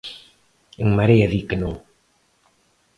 En Marea di que non.